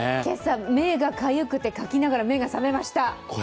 目がかゆくて、かきながら目が覚めました。